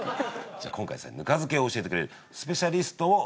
じゃあ今回ぬか漬けを教えてくれるスペシャリストをお呼びしています。